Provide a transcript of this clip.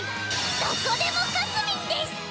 「どこでもかすみん」です！